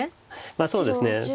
まあそうですね。